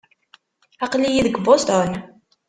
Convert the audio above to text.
Aql-iyi deg Boston.